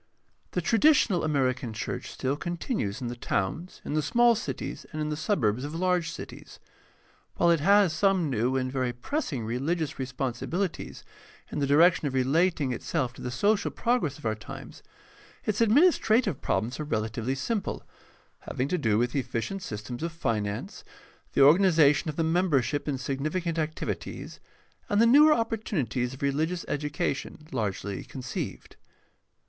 — The traditional American church still continues in the towns, in the small cities, and in the suburbs of large cities. While it has some new and very pressing religious responsibilities in the direction of relating itself to the social progress of our times, its administrative problems are relatively simple, having to do with efficient sys tems of finance, the organization of the membership in significant activities, and the newer opportunities of religious education, largely conceived.